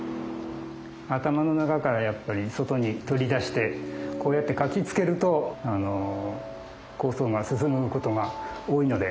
頭の中からやっぱり外に取り出してこうやって書きつけると構想が進むことが多いので。